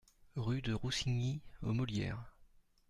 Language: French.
Rue de Roussigny aux Molières